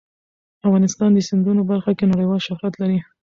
افغانستان د سیندونه په برخه کې نړیوال شهرت لري.